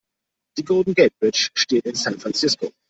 Die Golden Gate Bridge steht in San Francisco.